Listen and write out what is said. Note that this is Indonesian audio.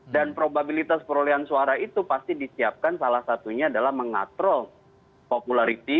dan probabilitas perolehan suara itu pasti disiapkan salah satunya adalah mengatrol popularity